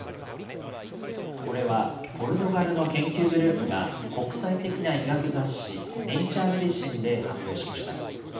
これはポルトガルの研究グループが国際的な医学雑誌、ネイチャー・メディシンで発表しました。